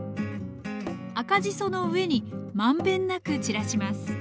赤じその上に満遍なく散らします